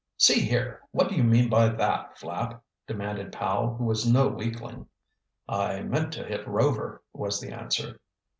"See here, what do you mean by that, Flapp?" demanded Powell, who was no weakling. "I meant to hit Rover," was the answer.